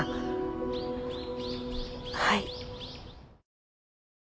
はい。